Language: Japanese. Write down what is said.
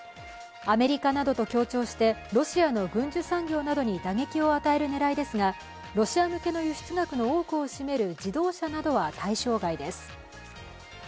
アメリカなどと協調してロシアの軍需産業などに打撃を与える狙いですがロシア向けの輸出額の多くを占める自動車などは対象外です。